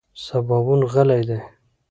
سباوون غلی دی .